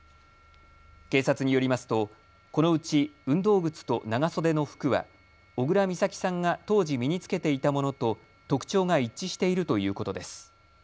警察によりますとこのうち運動靴と長袖の服は小倉美咲さんが当時身に着けていたものと特徴が一致しているということです。